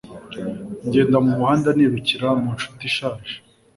Ngenda mu muhanda nirukira mu nshuti ishaje